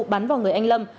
bắn vào người anh lâm